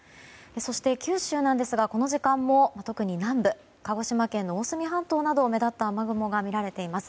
そして、九州なんですがこの時間も特に南部鹿児島県の大隅半島などに目立った雨雲が見られています。